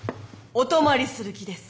お泊まりする気です。